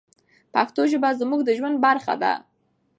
پښتو ژبه زموږ د ژوند برخه ده.